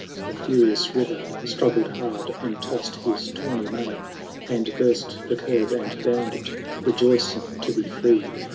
The furious river struggled hard. And tossed his tawny mane. And burst the curb, and bounded, Rejoicing to be free.